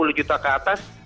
rp sepuluh ke atas